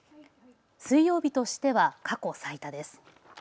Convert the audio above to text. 水曜日としては過去最多です。